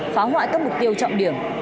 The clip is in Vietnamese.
phá hoại các mục tiêu trọng điểm